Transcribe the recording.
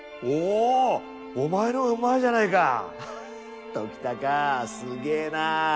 お前のほうがうまいじゃないか！ときたかすげえなあ！